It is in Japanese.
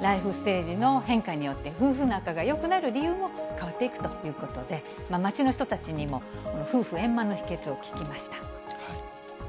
ライフステージの変化によって夫婦仲がよくなる理由も変わっていくということで、街の人たちにも夫婦円満の秘けつを聞きました。